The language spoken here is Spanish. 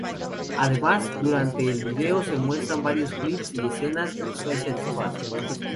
Además, durante el vídeo, se muestran varios clips y escenas de "Suicide Squad".